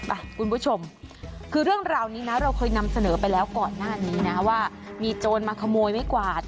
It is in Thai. อ่ะคุณผู้ชมคือเรื่องราวนี้นะเราเคยนำเสนอไปแล้วก่อนหน้านี้นะว่ามีโจรมาขโมยไม้กวาด